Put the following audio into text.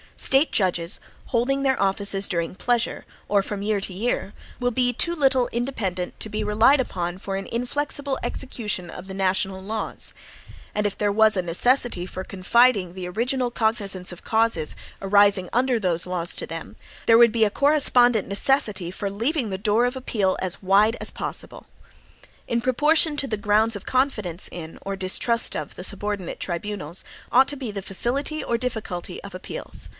State judges, holding their offices during pleasure, or from year to year, will be too little independent to be relied upon for an inflexible execution of the national laws. And if there was a necessity for confiding the original cognizance of causes arising under those laws to them there would be a correspondent necessity for leaving the door of appeal as wide as possible. In proportion to the grounds of confidence in, or distrust of, the subordinate tribunals, ought to be the facility or difficulty of appeals.